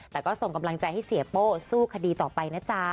แต่ก็ส่งกำลังใจให้เสียโป้สู้คดีต่อไปนะจ๊ะ